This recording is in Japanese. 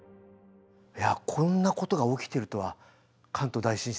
いやこんなことが起きてるとは関東大震災で思いませんでした。